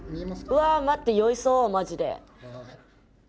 うわ待って酔いそうマジで。